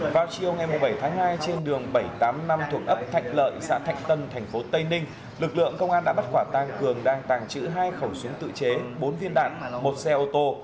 vào chiều ngày bảy tháng hai trên đường bảy trăm tám mươi năm thuộc ấp thạnh lợi xã thạnh tân tp tây ninh lực lượng công an đã bắt quả tăng cường đang tàng trữ hai khẩu súng tự chế bốn viên đạn một xe ô tô